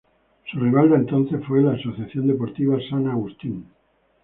Su rival de entonces fue Asociación Deportiva San Agustín.